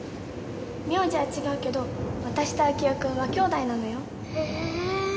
名字は違うけど私と明夫君は兄弟なのよ。へえ！